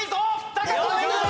高さもいいぞ！